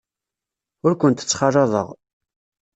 Ur kent-ttxalaḍeɣ.